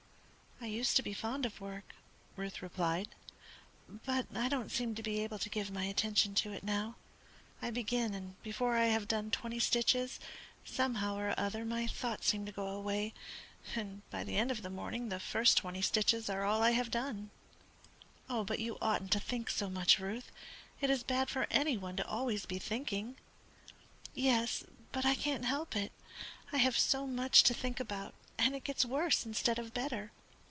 "I used to be fond of work," Ruth replied, "but I don't seem to be able to give my attention to it now. I begin, and before I have done twenty stitches, somehow or other my thoughts seem to go away, and by the end of the morning the first twenty stitches are all I have done." "But you oughtn't to think so much, Ruth. It is bad for any one to be always thinking." "Yes, but I can't help it. I have so much to think about, and it gets worse instead of better.